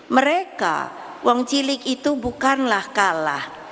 mereka uang cilik itu bukanlah kalah